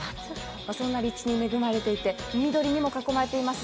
そんな立地に恵まれていて、緑にも囲まれています。